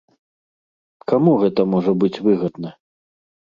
Каму гэта можа быць выгадна?